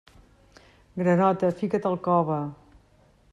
Granota, fica't al cove.